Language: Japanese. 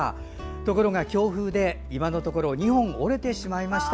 ところが強風で今のところ２本折れてしまいました。